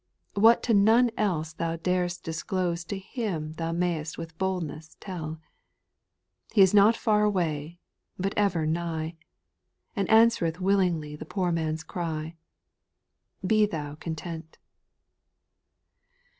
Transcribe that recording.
What to none else thou dar'st disclose To Him thou may'st with boldness tell. He is not far away, but ever nigh, And answereth willingly the poor man's cry. Be thou content.